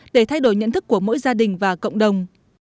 để thay đổi nhận thức của mỗi gia đình và cộng đồng